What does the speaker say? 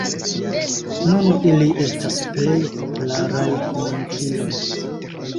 Nun ili estas plej popularaj komunikiloj.